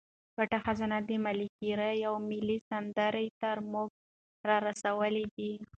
پټه خزانه د ملکیار یوه ملي سندره تر موږ را رسولې ده.